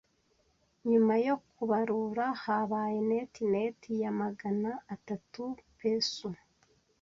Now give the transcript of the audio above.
Nyuma yo kubarura, habaye net net ya magana atatu pesos.